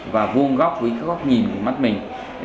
và vuông góc với cái góc nhìn của mắt mình